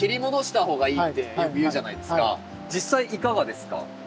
実際いかがですか？